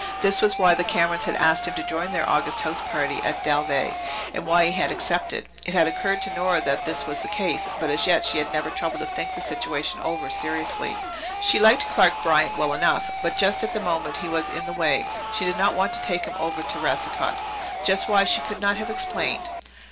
This was why the Camerons had asked him to join their August house party at Dalveigh, and why he had accepted. It had occurred to Nora that this was the case, but as yet she had never troubled to think the situation over seriously. She liked Clark Bryant well enough, but just at the moment he was in the way. She did not want to take him over to Racicot just why she could not have explained.